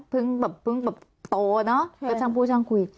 แบบเพิ่งแบบโตเนอะก็ช่างพูดช่างคุย